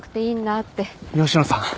吉野さん。